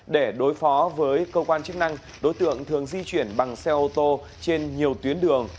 để đối phó với cơ quan chức năng đối tượng thường di chuyển bằng xe ô tô trên nhiều tuyến đường